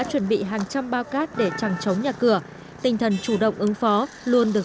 chuẩn bị hàng trăm bao cát để chẳng chống nhà cửa tinh thần chủ động ứng phó luôn được